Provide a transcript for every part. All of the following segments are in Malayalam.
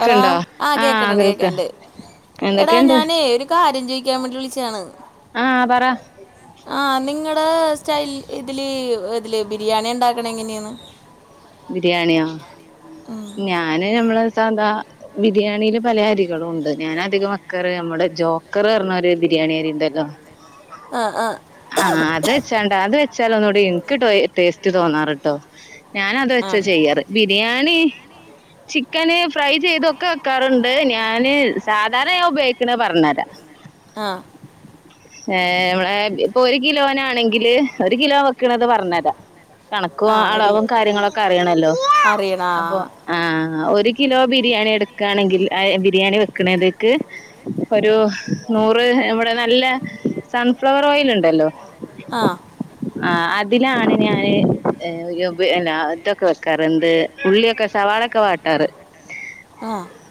പറാ ആ കേക്കണണ്ട് കേക്കണ്ട് എടാ ഞാനേ ഒരു കാര്യം ചോദിക്കാൻ വേണ്ടിളിച്ചാണ് ആഹ് നിങ്ങളുടെ സ്റ്റൈൽ ഇതില് അതില് ബിരിയാണി ഇണ്ടാക്കണെ എങ്ങനെയാണ് ബിരിയാണിയോ ഞാന് മ്മള് ന്താ ബിരിയാണിയില് പല അരികളും ഉണ്ട് ഞാനധികം വെക്കാറ് നമ്മുടെ ജോക്കർ പറഞ്ഞ ഒരുമാതിരി ബിരിയാണി അരിണ്ടല്ലോ അത് വെചാണ്ട് അത് വെചാണ്ട് സ്ഥലോന്നൂടി എനിക്ക് ടോ ടേസ്റ്റ് തോന്നാറട്ടോ ഞാന് അത് വെച്ചാ ചെയ്യാറ് ബിരിയാണി [unintelligible] ചിക്കന് ഫ്രൈ ചെയ്തൊക്കെ വെക്കാറുണ്ട് ഞാന് സാധാരണയ ഉപയോഗിക്കണ പറഞ്ഞരാ ആഹ് ഏ മ്മള ഇപ്പൊ ഒരു കിലോനാണെങ്കില് ഒരു കിലോ ഉക്കണത് പറഞ്ഞ തരാ കണക്കും അളവും കാര്യങ്ങളൊക്കെ അറിയണല്ലോ അപ്പൊ ആ ഒരു കിലോ ബിരിയാണി എടുക്കയാണെങ്കിൽ ബിരിയാണി വെക്കണതേക്ക് ഒരു നൂ- നൂറ് ഇവിടെ നല്ല സൺഫ്ലവർ ഓയിൽ ഉണ്ട് ഉണ്ടല്ലോ ആ അതിലാണ് ഞാന് പിന്നെ ഇതൊക്കെ വെക്കാറ് എന്ത് ഉള്ളിയൊക്കെ സവാളൊക്കെ വാട്ടാറ്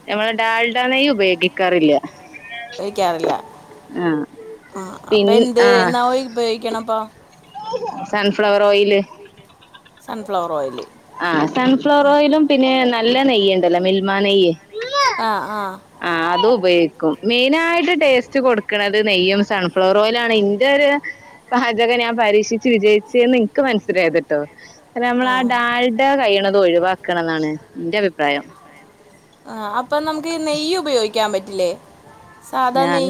ഞ്ഞമ്മള് ഡാൽഡ നെയ്യ് ഉപയോഗിക്കാറില്ല ഒഴിക്കാറില്ല ആ അപ്പൊ എന്തുന്നാ ഉപയോഗിക്കണപ്പേ സൺഫ്ലവർ ഓയില് സൺഫ്ലവർ ഓയില് ആ. സൺഫ്ലവർ ഓയിലും പിന്നെ നല്ല നെയ്യുണ്ടല്ലോ മിൽമ നെയ്യ് ആ ആ മെയിൻ ആയിട്ട് ടേസ്റ്റ് കൊടുക്കുന്നത് നെയ്യും സൺഫ്ലവർ ഓയിലും ആണ് എന്റെഒരു പാചകം ഞാൻ പരീക്ഷിച്ച് വിജയിച്ചുന്ന് നിക്ക് മനസ്സിലായത് കേട്ടോ നമ്മളാ ആ ഡാൽഡ കഴിയുണത് ഒഴിവാക്കണം എന്നാണ് എന്റെ അഭിപ്രായം ആ അപ്പൊ നമുക്ക് നെയ്യ് ഉപയോഗിക്കാൻ പറ്റില്ലേ ഞാൻ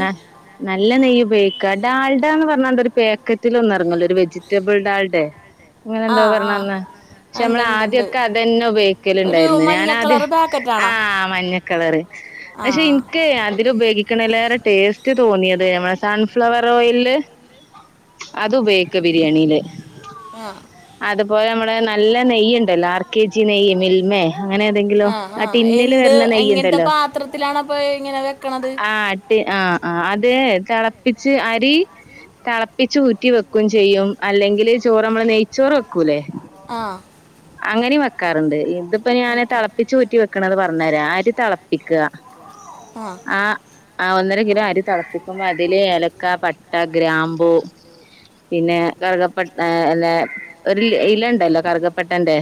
നല്ല നെയ്യ് ഉപയോഗിക്ക ക്ക ഡാൾഡ എന്ന് പറഞ്ഞാണ്ട് ഒരു പാക്കറ്റിൽ ഒന്നും ഇറങ്ങല്ലോ ഒരു വെജിറ്റബിൾ ഡാൾഡേ അങ്ങനെ എന്തോ പറഞ്ഞ് ഒന്ന് പക്ഷെ നമ്മള ആദ്യക്കെ അത് തന്നെ ഉപയോഗിക്കല് ഉണ്ടായിരുന്നു ഞാൻ ആദ്യം ആ മഞ്ഞ കളറ് പക്ഷേ ഇനിക്ക് ആധിലു ഉപ- വെക്കണിലേറെ ടേസ്റ്റ് തോന്നിയത് നന്മടെ സൺഫ്ലവർ ഓയില് അത് ഉപയോഗിക്ക് ബിരിയാണില് ആ ഇപ്പോൾ നമ്മുടെ നല്ല നെയ്യുണ്ടല്ലോ ആർ കെ ജി നെയ്യ് മിൽമേ അങ്ങനെ ഏതെങ്കിലോ ആ ടിന്നില് വരുന്ന നെയ്യുണ്ടല്ലോ ആട്ട് ആ ആ അത് തിളപ്പിച്ച് അരി തിളപ്പിച്ച് ഊറ്റി വെക്കും ചെയ്യും അല്ലെങ്കില് ചോറ് നമ്മള് നെയ്ച്ചോറ് വെക്കൂല്ലേ ആ അങ്ങനെയും വെക്കാറുണ്ട് ഇതിപ്പോ ഞാൻ തിളപ്പിച്ച് ഊറ്റി വെക്കണത് പറഞ്ഞുതരാ അരി തിളപ്പിക്കുക ആ ആ ഒന്നര കിലോ അരി തിളപ്പിക്കുമ്പോ അതില് ഏലക്ക പ- ട്ട ഗ്രാമ്പൂ പിന്നെ കർപ്പട്ട അല്ല ഒരു ഇല ഉണ്ടല്ലോ കറുക പട്ടന്റെ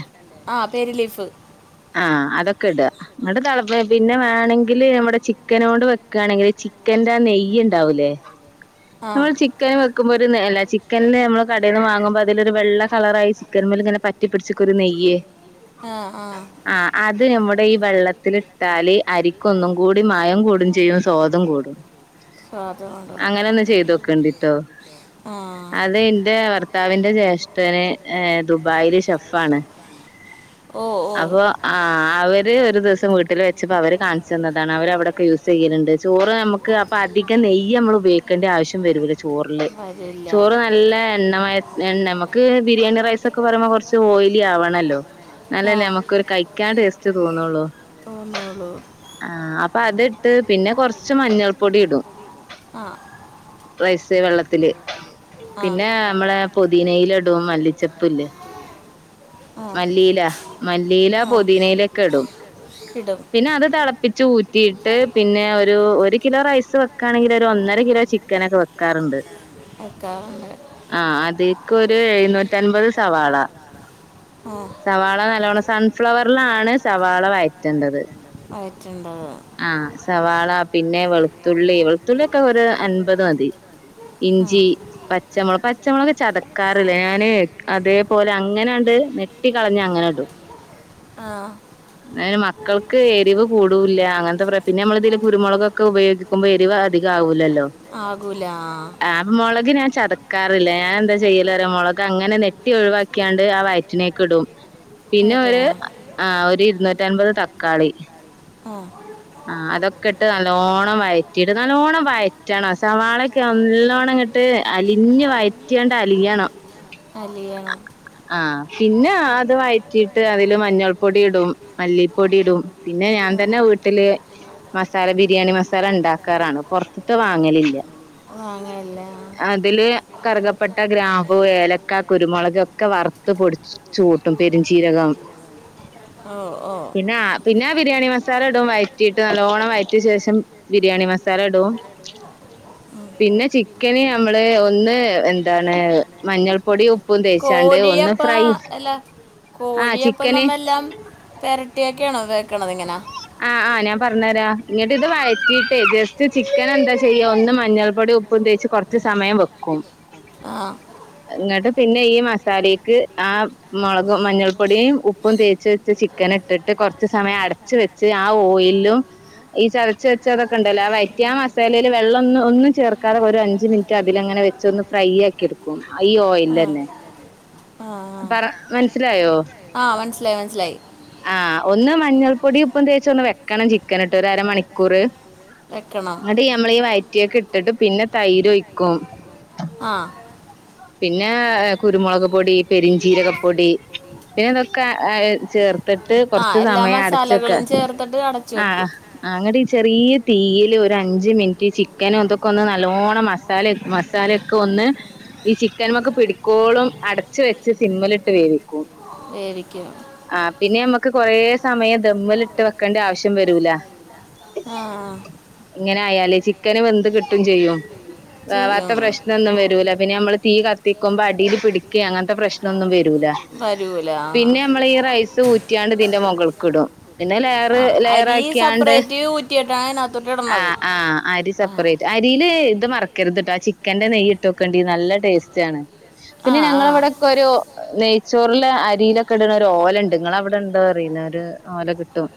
ആ അതൊക്കെ ഇടുക പിന്നെ തിള പിന്നെ വേണമെങ്കിൽ നമ്മടെ ചിക്കനോട് വെക്കുകയാണെങ്കിൽ ചിക്കൻന്റെ നെയ്യ നമ്മൾ ചിക്കൻ വെക്കുമ്പോൾ ഒരു അല്ല നെയ്യ് ചിക്കൻ നിന്ന് നമ്മ കടയി നിന്ന് വാങ്ങുമ്പോ അതിലെരു വെള്ള കളർ ആയി ചിക്കൻ മേല ഇങ്ങനെ പറ്റിപ്പടിച്ച്നിക്കും ഒരു നെയ്യ് ആ അത് നമ്മുടെ ഈ വെള്ളത്തിട്ടാല് അരിക്കൊന്നും കൂടി മയം കൂടും ചെയ്യും സ്വാദ്യം കൂടും സ്വാദുമുണ്ടാകും അത് എറെ ഭർത്താവിന്റെ ജ്യേഷ്ഠന് ഏയ് ദുബായിൽ ഷെഫാണ് അപ്പൊ ആ അവര് ഒരു ദിവസം വീട്ടിൽ വെച്ചപ്പോ അവര് കാണി- ച്ച് തന്നതാണ് അവർ അവിടെക്കെ യൂസ് ചെയ്യലുണ്ട് ചോറ് നമ്മുക്ക് അപ്പൊ അധികം നെയ്യ് നമ്മൾ ഉപോഗേണ്ട ആവശ്യം വരൂല്ലേ ചോറില് ചോറ് നല്ല എണ്ണമയ എണ്ണ നമക്ക് ബിരിയാണി റൈസ് ഒക്കെ പറയുമ്പോ കുറച്ച് ഓയിലി ആവണല്ലോ എന്നാലല്ലേ നമുക്ക് ഒരു കഴിക്കാൻ ടേസ്റ്റ് തോന്നുള്ളു ആ അപ്പൊ അതിട്ട് പിന്നെ കൊറച്ച് മഞ്ഞൾപ്പൊടി ഇടും വെള്ളത്തില് പിന്നെ നമ്മളെ പടതിനയില ഇടും മല്ലിച്ചെപ്പ് മല്ലീയില മല്ലീല പുതിനയിലയെക്കെ ഇടും പിന്നെ അത് തെളപ്പിച്ചൂറ്റിയിട്ട് പിന്നെ ഒരു ഒരു കിലോ റൈസ് സ് വെക്കാണെങ്കിൽ ഒരു ഒന്നര കിലോ ചിക്കനൊക്കെ വെക്കാറുണ്ട്. ആ അതിക്കൊരു എഴുന്നൂറ്റൻപത് സവാള സവാള നല്ലോണം സൺഫ്ലവറിലാണ് സവാള വഴറ്റേണ്ടത്. ആ സവാള പിന്നെ വെളുത്തുള്ളി വെളുത്തുള്ളി ഒക്കെ ഒരു അൻപത് മതി. ഇഞ്ചി പച്ചമുള പച്ചമുളക് ചതക്കാറില്ല ഞാന് അതേപോലെ അങ്ങനെ അങ്ട് ട് നെട്ടികളഞ്ഞങ്ങനെ ഇടും. അന്നേരം മക്കൾക്ക് എരിവ് കൂടൂല്ല? അയിനെന്താ പറയാ, പിന്നെ നമ്മളിതില് കുരുമുളകൊക്കെ ഉപയോഗിക്കുമ്പോ എരിവ് അധിക ആവൂലല്ലോ. ആ മൊളക് ഞാൻ ചതക്കാറില്ല ഞാൻ എന്താ ചെയ്യലറ്യോ മൊളക് അങ്ങനെ നെട്ടി ഒഴിവാക്കിയാണ്ട് ആ വയറ്റിനേക്കിടും. പിന്നെ ഒരു ആ ഒരു ഇരുന്നൂറ്റൻപത് തക്കാളി ആ ആ അതൊക്കെ ഇട്ട് നല്ലോണം വഴറ്റിട്ട് നല്ലോണ്ണം വഴറ്റണം സവാളൊക്കെ നല്ലോണം ങ്ങട്ട് അലിഞ്ഞ് വയറ്റിയണ്ട് അലിയണം. ആ പിന്നെ അത് വഴറ്റിട്ട് അതിൽ ല് മഞ്ഞൾ പൊടി ഇടും മല്ലിപ്പൊടി ഇടും പിന്നെ ഞാൻ തന്നെ വിട് ട്ടില് മസാല, ബിരിയാണി മസാല ഉണ്ടാക്കാറാണ്, പൊറത്തത്തെ വാങ്ങലില്ല്യ. വാങ്ങയല്ലാ കറുകപ്പട്ട ഗ്രാമ്പൂ ഏലക്ക കുരുമുളക് ഒക്കെ വറുത്തു പൊടിച്ചുകൂട്ടും പെരുഞ്ചീരകം ഓ ഓ നാ പിന്നെ ബിരിയാണി മസാലെ ടും വഴറ്റിട്ട് നല്ലവോണം വഴറ്റിയ ശേഷം ബിരിയാണി മസാല ഇടും പിന്നെ ചിക്കന് നമ്മള് ഒന്ന് എന്താണ് മഞ്ഞൾപ്പൊടിയു കോഴിയപ്പ അല്ല കോഴിയപ്പ നമ്മെല്ലാം പരട്ടിയ ക്കാണോ വെക്കണത് ഇങ്ങനെ ആ ഞാൻ പറഞ്ഞതരാ ഇങ്ങിട്ട് ഇത് വഴറ്റിയിട്ടേ ജസ്റ്റ് ചിക്കൻ എന്താ ചെയ്യാ ഒന്ന് മഞ്ഞൾപ്പൊടിം ഉപ്പും തേച്ച് കൊറച്ച് സമയം വെക്കും ആ എന്നിട്ട് പിന്നെ ഈ മസാലേക്ക് ആ മുളക മഞ്ഞൾപ്പൊടിയും ഉപ്പും തേച്ച് വെച്ച ചിക്കൻ ക്കനിട്ടിട്ട് കുറച്ച് സമയം അടച്ച് വെച്ച് ആ ഓയിലും ഈ ചതച്ച് വെച്ചതൊക്കെ ഒണ്ടല്ലോ ആ വയറ്റിയാ മസാലയിൽ വെള്ളം ഒന്നും ഒന്നും ചേർക്കാതെ ഒരു അഞ്ച് മിനിറ്റ് അതിലങ്ങനെ വെച്ചൊന്ന് ഫ്രൈ ആക്കി എടുക്കും ഈ ഓയിലിലന്നെ [unintelligible] പറ മനസിലായോ? ആ മനസ്സിലായി മനസ്സിലായി. ഒന്ന് മഞ്ഞൾപ്പൊടിം ഉപ്പും തേച്ചൊന്നു വെക്കണം ചിക്കനിട്ട് ഒരരമണിക്കൂറ് അന്നിട്ടു ഞമ്മളീ വയറ്റിയൊക്കെ ഇട്ടിട്ട് പിന്നെ തൈര് ഒയിക്കും ആ പിന്നെ കുരുമുളക് പൊടി പെരിഞ്ചീരകപ്പൊടി പിന്നെ ഇതൊക്കെ ചേർത്ത് ത്തിട്ട് കൊറച്ച് സമയം അടച്ചെക്ക ആ അങ്ങട്ടീ ചെറീയ തീയില് ഒരഞ്ചു മിനിറ്റ് ചിക്കനും അതൊക്കെ ഒന്ന് നല്ലോണം മസാലയൊക് മസാലയൊക്കെ ഒന്ന് ഈ ചിക്കൻമേക്കു പിടിക്ക്‌വോളം അടച്ചുവെച്ച് സിമ്മിലിട്ട് വേവിക്കും വേവിക്ക്യാണ് ക്ക് കൊറേ സമയം ദമ്മിലിട്ട് വെക്കണ്ട ആവശ്യം വരൂല. ഇങ്ങനെ ആയാല് ചിക്കന് വെന്ത് കിട്ട്വേം ചെയ്യും വേവാത്ത പ്രശ്നൊന്നും വരൂല പിന്നെ യമ്മള് തീ കത്തിക്കൊമ്പോ അടീല് പിടിക്കുക അങ്ങനത്തെ പ്രശ്നം ഒന്നും വരു രൂല പിന്നെയമ്മളീ റൈസ് ഊറ്റിയാണ്ട് ഇതിന്റെ മുകൾക്കിടും പിന്നെ ലെയർ ലെയർ ആക്കിയാണ്ട് ആ ആ അരി സെപ്പറേറ്റ്, അ അരിയില് ത് മറക്കരുത്ട്ടോ ആ ചിക്കൻന്റെ നെയ്യ് ഇട്ട്ഓക്കണ്ടെ നല്ല ടേസ്റ്റ് ആണ് പിന്നെ ഞങ്ങളവിടെക്കോരു നെയ്ച്ചോറില് അരിയിലൊക്കെ ഇടുന്ന ഒരു ഓല ഇണ്ട് നിങ്ങള അവിടെണ്ടോ അറിയില്ല ഒരു ഓല കിട്ടും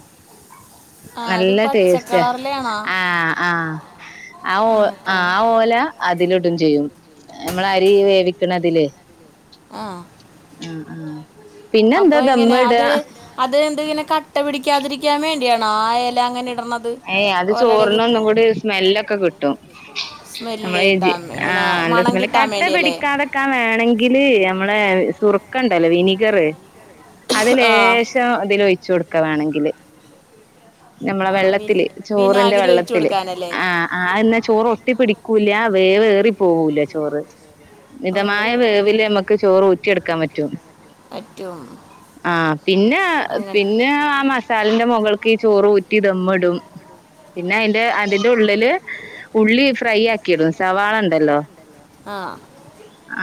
[unintelligible] നല്ല ടേസ്റ്റ് ആ ആ ഓ ആ ആ ഓല അതിലിടും ചെയ്യും നമ്മള് അരി വേവിക്കണതില് ആ അപ്പൊ ഇങ്ങനെ അത് അത് എന്ത്ങ്ങനെ കട്ട പിടിക്കാതിരിക്കാൻ വേണ്ടിയാണോ ആ എല അങ്ങനെ ഏയ് അത് ചോറിനൊന്നും കൂടി സ്മെല്ലൊക്കെ കിട്ടും നമ്മള് ആ നല്ല സ്മെല്ല് കട്ട പിടിക്കാതിക്കാൻ വേണങ്കിൽ ങ്കില് ഞമ്മളെ സുറുക്ക ഉണ്ടല്ലോ വിനിഗർ അത് ലേശം അതില ഒഴിച്ചു കൊടുക്ക വേണെങ്കിൽ നമ്മളെ വെള്ള ത്തില് ചോറിന്റെ വെള്ളത്തില് ആ എന്ന ചോറ് ട്ടി പിടിക്കൂല വേവ് ഏറി പോവൂല ചോറ് മിതമായ വേവില് ഞമുക്ക് ചോറ് ഊറ്റിയെടുക്കാൻ പറ്റും ആഹ പിന്നെ പിന്നെ ആ മസാല ഇന്റെ മൊകൾക്ക് ഈ ചോറ്ഊറ്റി ദമ്മിടും പിന്നെ അയിന്റെ അതിന്റെ ഉള്ളില് ഉള്ളി ഫ്രൈ ആക്കിയിടും സവാളുണ്ടല്ലോ ആഹ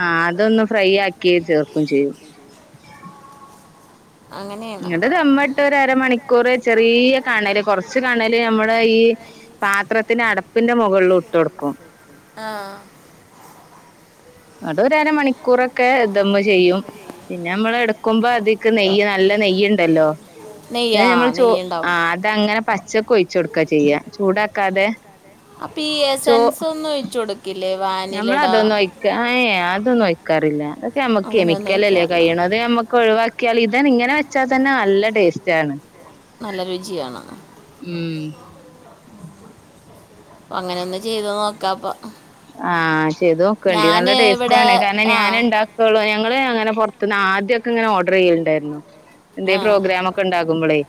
ആ അതൊന്ന് ഫ്രൈ ആക്കി ചേർക്കും ചെയ്യും അങ്ങനെണ്ടാവാ അരമണിക്കൂർ ചെറിയ കനല് കൊറച്ച് കനല് നമ്മുടെ ഈ പാത്രത്തിന്റെ അടപ്പിന്റെ മൊകളിൽ ഇട്ട്കൊടുക്കും ആഹ അതൊരു അര മണിക്കൂറൊക്കെ ദമ്മ് ചെയ്യും പിന്നെ നമ്മള് എടുക്കുമ്പോ അതിക്ക് നെയ്യ് നല്ല നെയ്യുണ്ടല്ലോ പിന്നെ നമ്മൾ ചോ ആ അതങ്ങനെ പച്ചക്ക് ഒഴിച്ച് കൊടുക്കാ ചെയ്യാ ചൂടാക്കാതെ അപ്പൊ ഈ സെൻസ് ഒന്നും ഒഴിച്ചു കൊടുക്കില്ലേ ഞമ്മള അതൊന്നുംഒയ്ക്ക ഏ അതൊന്നും ഒയ്ക്കാറില്ല നമ്മക്ക് കെമിക്കൽല്ലേ കഴിയണത് ഞമ്മുക്ക് ഒഴിവാക്ക ക്കിയാല് ഇതന്നെ ഇങ്ങനെ വെച്ചാൽ തന്നെ നല്ല ടേസ്റ്റ് ആണ് നല്ല രുചിയാണ് ഉം അപ്പ അങ്ങനെ ഒന്ന് ചെയ്ത നോക്കാപ്പ ആഹ് ചെയ്ത് നോക്കേണ്ടി നല്ല ടേസ്റ്റ് ആണ് കാരണം ഞാൻ ഉണ്ടാക്കുള്ളൂ ഞങ്ങള് അങ്ങനെ പുറത്തുന്ന് ആദ്യമൊക്കെങ്ങനെ ഓർഡർ ചെയലുണ്ടായിരുന്നു എന്തെ പ്രോഗ്രാമൊക്കെ ഉണ്ടാക്കുമ്പോളേ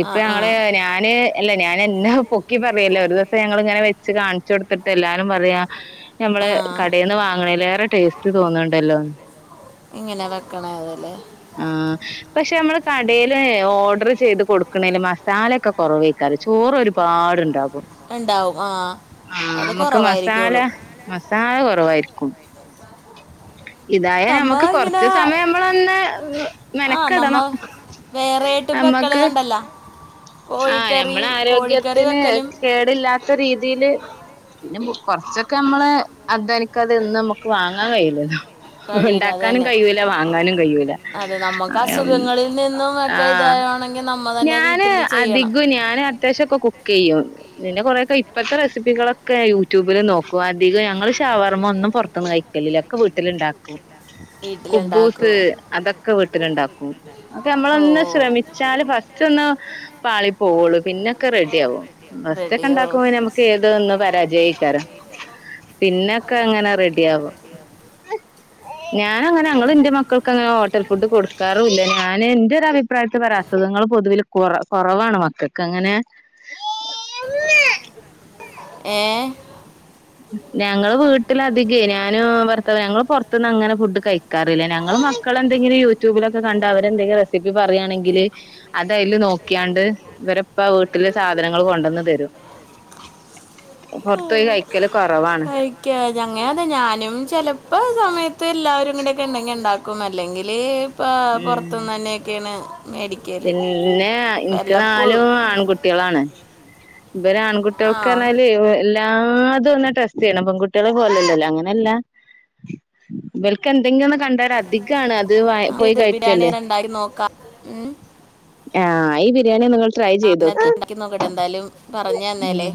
ഇപ്പൊ ഞങ്ങള് ഞാന് അല്ല ഞാൻ എന്നെ പൊക്കി പറയല്ല ഒരു ദിവസം ഞങ്ങളിങ്ങനെ വെച്ച് കാണിച്ചു കൊടുത്തിട്ട് എല്ലാരും പറയാ ഞമ്മള് കടയിൽന്ന് വാങ്ങണേലേറെ ടേസ്റ്റ് തോന്നുന്നുണ്ടല്ലോന്ന് ഇങ്ങനെ വെക്കണ അതല്ലേ ആഹ പക്ഷെ നമ്മള് കടെല് ഓർഡർ ചെയ്ത് കൊടുക്കണേല് മസാല ഒക്കെ കുറവേയിരി ചോറ് ഒരുപാടുണ്ടാവും ആഹ നമുക്ക് മസാല മസാല കൊറവായിരിക്കും കും ഇതായ നമുക്ക് കൊറച്ച് സമയം നമ്മൾ തന്നെ മെനക്കെടണം വേറെ ആയിട്ടും വെക്കളത്ണ്ടല്ലോ ആഹ ഞമ്മളെ ആരോഗ്യത്തിന് കേടില്ലാത്ത രീതിയില് പിന്നെ കൊറച്ചൊക്കെ നമ്മള് അധ് വാനിക്കാതെ ഒന്നും നമ്മുക്ക് വാങ്ങാൻ കഴിയു ല്ലല്ലോ ഉണ്ടാക്കാനും കഴൂല വാങ്ങാനും കഴൂല ആ ആണെങ്കിൽ ഞാന് അധിക ഞാന് അത്യാവശ്യം ഒക്കെ കുക് ചെയ്യുമ് ഇപ്പഴത്തെ റെസിപ്പികളൊക്കെ യൂട്യൂബിൽ നോക്കും അധികം ഞങ്ങൾ ഷവർമ്മ പുറത്തുന്ന് കൈക്കലില്ല വീട്ടിലുണ്ടാക്കും ഏ കുബ്ബൂസ് അതൊക്കെ വീട്ടിലുണ്ടാക്കും ഒക്കെ നമ്മള ഒന്ന് ശ്രമിച്ചാല് പാളി പോവുള്ളൂ പിന്നൊക്കെ റെഡി ആവുംും ഫസ്റ്റ് ഒക്കെ ണ്ടാക്കുമ്പോൾ നമുക്ക് ഏത ന്ന് പരാജഏയ്ക്കാരം പിന്നൊക്കെ അങ്ങനെ റെഡി ആവാും ഞാൻ അങ്ങനെ ഞങ്ങെൾ ഇന്റെ മക്കെൾക്ക് അങ്ങനെ ഹോട്ടൽ ഫുഡ് കൊട്ക്കാറുല്ല ഞാൻ ഇന്റെ ഒര് അഭിപ്രായത്തിൽ പറിയാത്തെത് ഇങ്ങെ പൊത്‌വിൽ കൊറ കൊറവാണ് മക്കെക്ക് അങ്ങനെ ഏഹ് നങ്ങൾ വീട്ട്ൽ അധികെ നാനും ഭർത്താവും ഞങ്ങെൾ പൊർത്ത്ന്ന് അങ്ങനെ ഫുഡ് കഴിക്കാറില്ല നങ്ങ പ്പ മക്കളെന്തെങ്കിലും യൂട്യൂബിലൊക്കെ കണ്ട് അവെര് എന്തെങ്കിലും റെസിപ്പി പറയാണെങ്കിൽ അത് അയിൽ നോക്കിയാണ്ട് ഇവെരെ ഇപ്പ വീട്ട്ൽ സാധനങ്ങൾ കൊണ്ടെന്ന് തെരും പൊർത്തോയി കഴ് കഴിക്കാ ഞങ്ങയെ അതെ ഞാനും ചെലപ്പം സമയ ത്ത് എല്ലാവെരും കൂടെയൊക്കെ ഇണ്ടെങ്കി ഇണ്ടാക്കും അല്ലെങ്കിൽ ഇപ്പ പൊർത്ത്ന്ന് എന്നെക്കെയാണ് മേടി പിന്നെ ഇൻക്ക് നാലും ആൺകുട്ടികളാണ് ഇബെര് ആൺകുട്ടികൾക്ക് പർണാൽ എല്ലാതും ഒന്ന് ടെസ്റ്റ് ചെയ്യെണം പെൺകുട്ടിയാളെ പോലെയല്ല അങ്ങനെ അല്ല ഇവെൽക്ക് എന്തെങ്കിലും ഒന്ന് കണ്ടാ ഒര് അധികാണ് അത് വാ പോയി കഴിക്ക് അല്ലെ ഉം ആഹ് ഈ ബിരിയാണി ഒന്ന് ഇങ്ങെൾ ഞാനത് ഇണ്ടാക്കി നോക്കട്ടെ എന്തായാലും പറഞ്ഞു ന്നേല്ലേ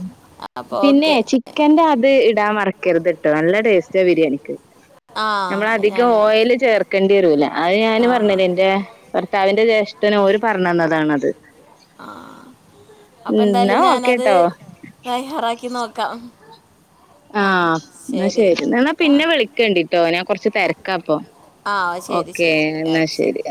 പിന്നെ ചിക്കന്റെ അത് ഇടാൻ മറക്കരുത് ട്ടോ നല്ല ടേസ്റ്റ ബിരിയാണിക്ക്. നമ്മള അധികം ഓയിൽ ചേർ ക്കേണ്ടി വരൂല അത് ഞാൻ പറഞ്ഞേ എന്റെ ഭർത്താവിന്റെ ജേഷ്ഠൻ ഓല് പറഞ്ഞു തന്നതാണത് ആഹ് അപ്പൊ എന്തായാലും ഞാനത് തയ്യാറാക്കി നോക്കാം ആഹ് എന്നാ ശരി എന്നാ പിന്നെ വിളിക്കേണ്ടി ട്ടോ ഞാൻ കൊറച്ച് തിരക്കാപ്പൊ. ഓക്കെ എന്നാ ശരി